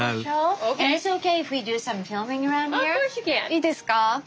いいですか？